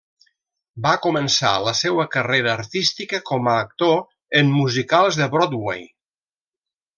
Va començar la seua carrera artística com a actor en musicals de Broadway.